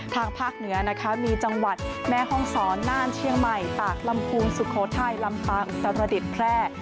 ทางภาคเหนือนะคะมีจังหวัดแม่ห้องศรน่านเชียงใหม่ตากลำพูนสุโขทัยลำปางอุตรดิษฐ์แพร่